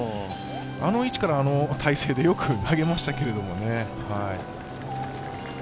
あの位置からあの体勢でよく投げましたけどね。